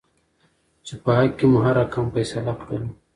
چې په حق کې مو هر رقم فيصله کړله.